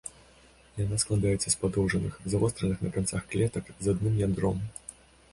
Яна складаецца з падоўжаных, завостраных на канцах клетак з адным ядром.